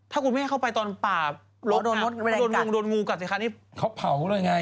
ถ้าคุณแม่เข้าไปตอนป่าโดนงูโดนงูกัดสิคะนี่เขาเผาเลยไง